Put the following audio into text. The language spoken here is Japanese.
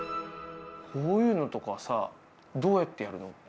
こういうのとかさ、どうやってやるの？